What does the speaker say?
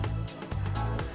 di kedudukan kesehatan